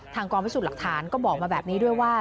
ทางกรมวิสุทธิ์หลักฐานก็บอกมาแบบนี้ด้วยว่า